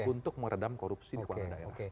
untuk meredam korupsi di kepala daerah